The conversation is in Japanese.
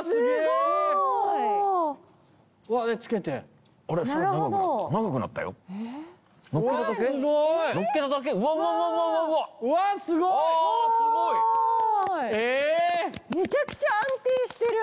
めちゃくちゃ安定してる。